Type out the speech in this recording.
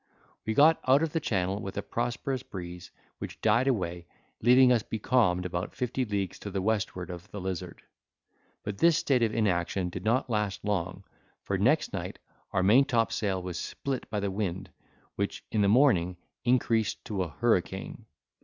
We got out of the channel with a prosperous breeze, which died away, leaving us becalmed about fifty leagues to the westward of the Lizard: but this state of inaction did not last long; for next night our maintop sail was split by the wind, which, in the morning, increased to a hurricane.